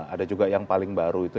ada juga yang paling baru itu